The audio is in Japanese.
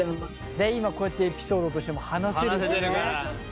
今こうやってエピソードとしても話せるしね。